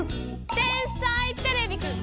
「天才てれびくん」